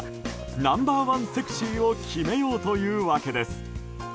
ナンバー１セクシーを決めようというわけです。